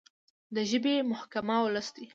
د ژبې محکمه ولس دی.